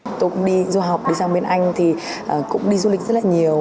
chúng tôi cũng đi du học đi sang bên anh thì cũng đi du lịch rất là nhiều